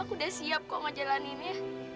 aku udah siap kok ngejalaninnya